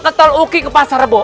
keteluki ke pasar bo